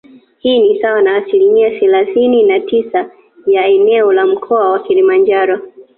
Hii ni sawa na asilimia thelasini na tisa ya eneo la Mkoa wa Kilimanjaro